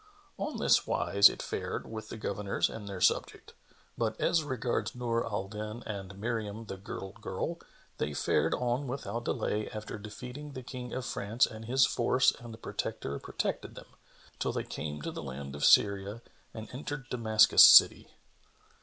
On this wise it fared with the Governors and their subjects; but as regards Nur al Din and Miriam the Girdle girl, they fared on without delay after defeating the King of France and his force and the Protector protected them, till they came to the land of Syria and entered Damascus city.